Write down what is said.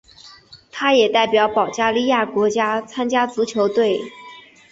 他也代表保加利亚国家足球队参赛。